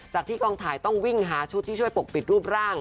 จากที่กองถ่ายต้องวิ่งหาชุดที่ช่วยปกปิดรูปร่าง